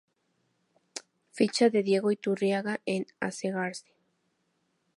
Ficha de Diego Iturriaga en Asegarce